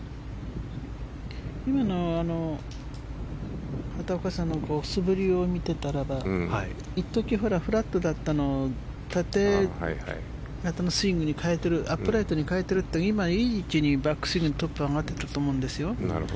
今の畑岡さんの素振りを見ていたら一時、フラットだったのを縦型のスイングに変えているアップライトに変えているといういい位置にバックスイングのトップ上がってたと思いますよ。